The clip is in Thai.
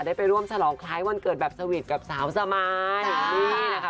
ไปร่วมฉลองคล้ายวันเกิดแบบสวีทกับสาวสมายนี่นะคะ